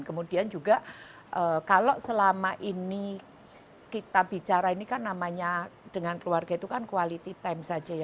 kemudian juga kalau selama ini kita bicara ini kan namanya dengan keluarga itu kan quality time saja ya